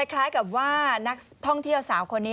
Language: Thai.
คล้ายกับว่านักท่องเที่ยวสาวคนนี้